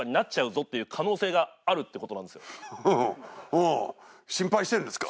うん心配してるんですか？